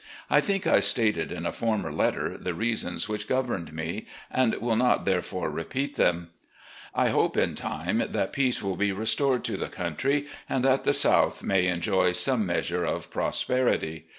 I think I stated in a former letter the reasons which governed me, and will not therefore repeat them. I hope, in time, peace will be restored to the country, and that the South may enjoy some measure of prosperity.